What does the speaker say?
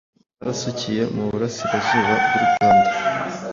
Barasukiye mu Burasirazuba bw’u Rwanda